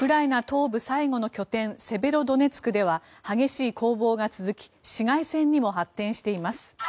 東部最後の拠点セベロドネツクでは激しい攻防が続き市街戦にも発展しています。